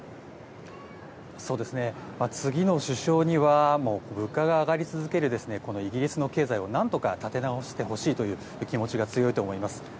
次の首相には物価が上がり続けるこのイギリスの経済を何とか立て直してほしいという気持ちが強いと思います。